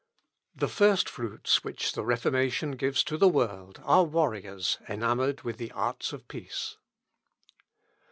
The first fruits which the Reformation gives to the world are warriors enamoured with the arts of peace.